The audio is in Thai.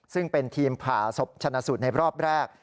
ซึ่งเป็นทีมผ่าศพชนะสูตรในรอบแรก